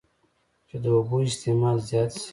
چې د اوبو استعمال زيات شي